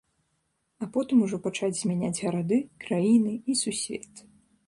А потым ужо пачаць змяняць гарады, краіны і сусвет.